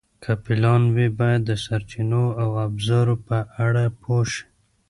که پلان وي، باید د سرچینو او ابزارو په اړه پوه شئ.